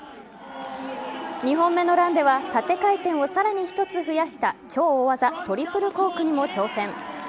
２本目のランでは縦回転をさらに１つ増やした超大技・トリプルコークにも挑戦。